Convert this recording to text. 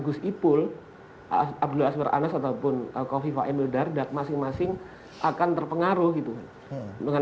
gus ipul abdul azmar anas ataupun kofifa emil dardag masing masing akan terpengaruh dengan